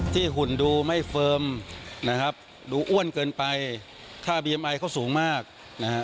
หุ่นดูไม่เฟิร์มนะครับดูอ้วนเกินไปค่าบีเอ็มไอเขาสูงมากนะฮะ